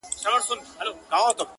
ږغ ده محترم ناشناس صاحب!!